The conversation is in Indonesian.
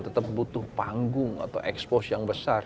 tetap butuh panggung atau expose yang besar